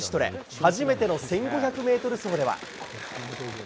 初めての１５００メートル走では。